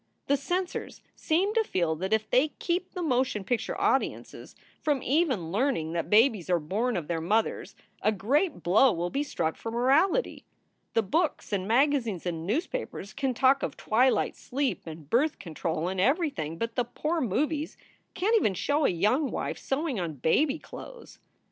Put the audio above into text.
"The censors seem to feel that if they keep the motion picture audiences from even learning that babies are born of their mothers a great blow will be struck for morality. The books and magazines and newspapers can talk of twilight sleep and birth control and everything, but the poor movies can t even show a young wife sewing on baby clothes.